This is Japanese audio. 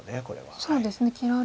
そうですね